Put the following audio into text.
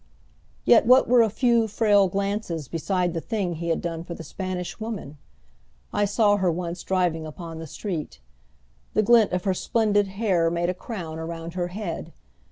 Yet what were a few, frail glances beside the thing he had done for the Spanish Woman? I saw her once driving upon the street. The glint of her splendid hair made a crown around her head.